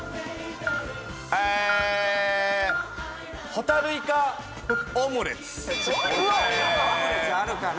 ホタルイカオムレツ。